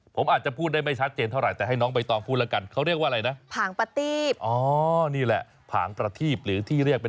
ผมอาจจะพูดได้ไม่ชัดเจนเท่าไร